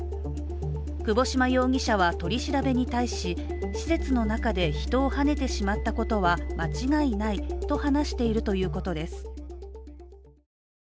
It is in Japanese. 窪島容疑者は、取り調べに対し施設の中で人をはねてしまったことは間違いないと話しているということです。